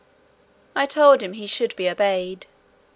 I told him "he should be obeyed."